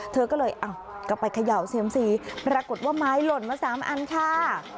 เธอก็เลยก็ไปเขย่าเซียมซีปรากฏว่าไม้หล่นมา๓อันค่ะ